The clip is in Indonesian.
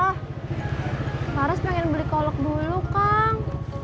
harus pengen beli kolok dulu kang